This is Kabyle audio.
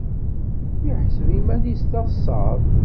Yeḥseb iman-nnes d asaḍ.